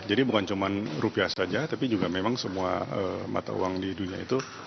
jadi bukan cuma rupiah saja tapi juga memang semua mata uang di dunia itu